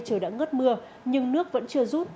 trời đã ngất mưa nhưng nước vẫn chưa rút